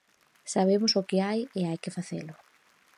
Sabemos o que hai e hai que facelo.